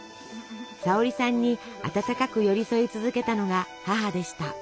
沙保里さんに温かく寄り添い続けたのが母でした。